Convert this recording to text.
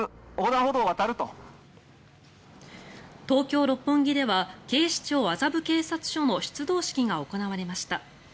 東京・六本木では警視庁麻布警察署の出動式が行われました。